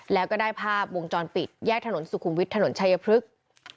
แล้วก็ได้ภาพวงจรปิดแยกถนนสุขุมวิทย์ถนนชายพฤกษ์